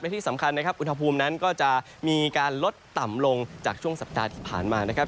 ที่สำคัญนะครับอุณหภูมินั้นก็จะมีการลดต่ำลงจากช่วงสัปดาห์ที่ผ่านมานะครับ